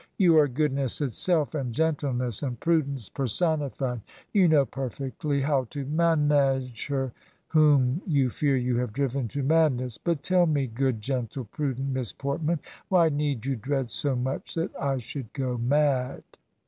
'"You are goodness itself, and gentleness, and prudence per sonified. You know perfectly how to manage her whom you fear you have driven to madness. But, tell me, good, gentle, prudent Miss Portman, why need you dread so much that I should go mad?